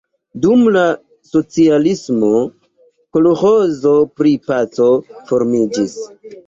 Dum la socialismo kolĥozo pri Paco formiĝis.